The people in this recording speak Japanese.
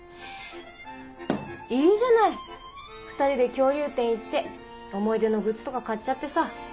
いいじゃない２人で恐竜展行って思い出のグッズとか買っちゃってさ。